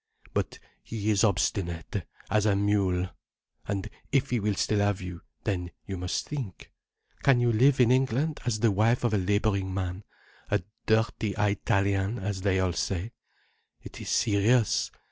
But he is obstinate—as a mule. And if he will still have you, then you must think. Can you live in England as the wife of a labouring man, a dirty Eyetalian, as they all say? It is serious.